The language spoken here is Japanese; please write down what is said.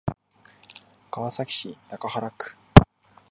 川崎市中原区